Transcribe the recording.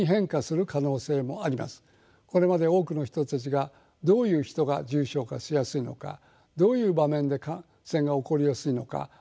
これまで多くの人たちがどういう人が重症化しやすいのかどういう場面で感染が起こりやすいのか学んできました。